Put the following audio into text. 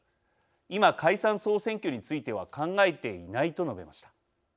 今解散総選挙については考えていない」と述べました。